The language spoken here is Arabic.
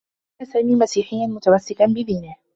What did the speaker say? كان سامي مسيحيّا متمسّكا بدينه.